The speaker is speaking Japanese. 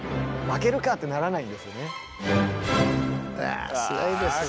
あすごいですね。